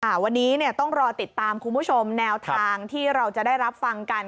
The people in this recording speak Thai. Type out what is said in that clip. วันนี้เนี่ยต้องรอติดตามคุณผู้ชมแนวทางที่เราจะได้รับฟังกัน